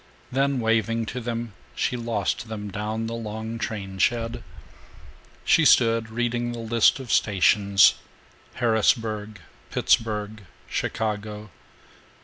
Then, waving to them, she lost them down the long train shed. She stood reading the list of stations: Harrisburg, Pittsburg, Chicago.